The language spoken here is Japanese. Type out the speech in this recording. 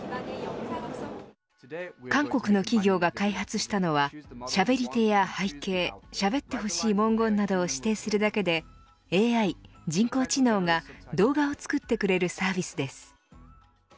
韓国の企業が開発したのはしゃべり手や背景しゃべってほしい文言などを指定するだけでＡＩ人工知能が動画を作ってくれるサービスです。